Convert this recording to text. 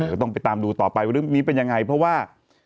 ก็ต้องไปตามดูต่อไปว่าเรื่องนี้เป็นยังไงเพราะว่า